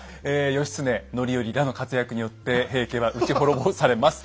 義経範頼らの活躍によって平家は打ち滅ぼされます。